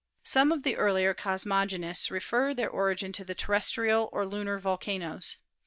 Some of the earlier cosmogonists referred their origin to the terrestrial or lunar volcanoes.